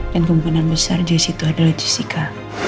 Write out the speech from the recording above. dan kebunan besar jessy itu adalah jessica